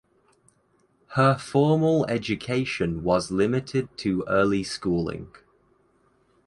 Her formal education was limited to early schooling.